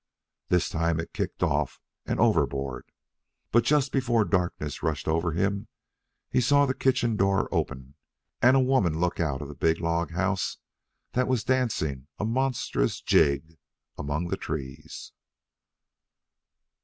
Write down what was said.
This time it kicked off and overboard. But just before darkness rushed over him, he saw the kitchen door open, and a woman look out of the big log house that was dancing a monstrous jig among the trees.